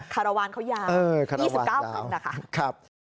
คารวาลเขายา๒๙ปีน่ะค่ะคารวาลยาวครับ